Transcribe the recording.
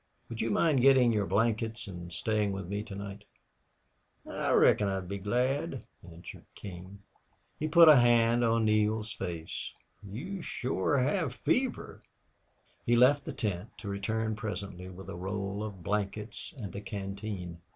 Would you mind getting your blankets and staying with me tonight?" "I reckon I'd be glad," answered King. He put a hand on Neale's face. "You shore have fever." He left the tent, to return presently with a roll of blankets and a canteen.